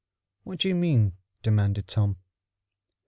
What do you mean?" demanded Tom.